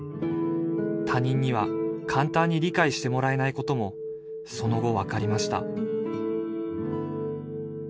他人には簡単に理解してもらえないこともその後分かりました